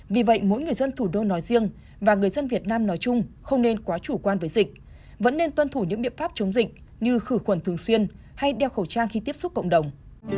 vì vậy mỗi người dân thủ đô nói riêng và người dân việt nam nói chung không nên quá chủ quan với dịch vẫn nên tuân thủ những biện pháp chống dịch như khử khuẩn thường xuyên hay đeo khẩu trang khi tiếp xúc cộng đồng